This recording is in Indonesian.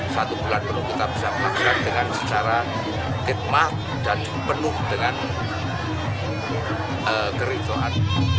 satu bulan belum kita bisa melaksanakan dengan secara hikmat dan penuh dengan kerizauan